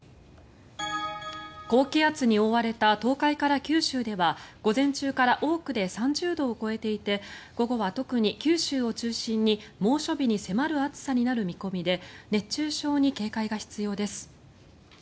高気圧に覆われた東海から九州では午前中から多くで３０度を超えていて午後は特に、九州を中心に猛暑日に迫る暑さになる見込みで熱中症に警戒が必要です。